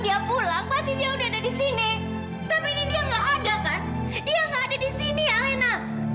dia nggak ada di sini alena